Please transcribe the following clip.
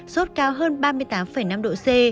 sốt cao hơn ba mươi tám năm độ c